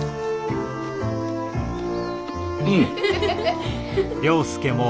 うん。